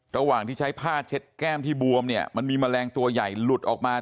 ระหว่างที่ใช้ผ้าเช็ดแก้มที่บวมเนี่ยมันมีแมลงตัวใหญ่หลุดออกมา